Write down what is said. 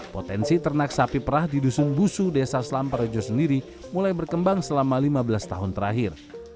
potensi ternak sapi perah di dusun busu desa selam perejo sendiri mulai berkembang selama lima belas tahun terakhir